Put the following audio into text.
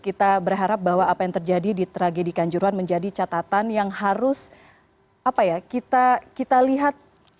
kita berharap bahwa apa yang terjadi di tragedi kanjuruhan menjadi catatan yang harus kita lihat